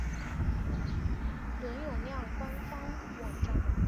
伦永亮官方网站